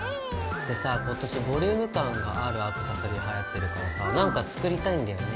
でさ今年ボリューム感があるアクセサリーがはやってるからさ何か作りたいんだよね。